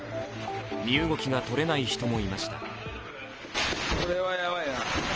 身動きがとれない人もいました。